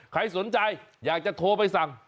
ใครสนใจอยากจะโทรไปสั่ง